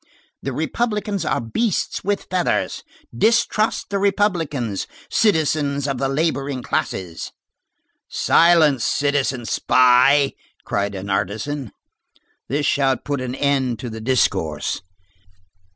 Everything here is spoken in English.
The republicans are beasts with feathers. Distrust the republicans, citizens of the laboring classes." "Silence, citizen spy!" cried an artisan. This shout put an end to the discourse.